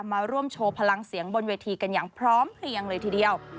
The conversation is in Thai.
มาร่วมโชว์พลังเสียงบนเวทีกันอย่างพร้อมเพลียงเลยทีเดียว